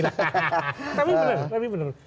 tapi bener tapi bener